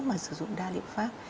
mà sử dụng đa liệu pháp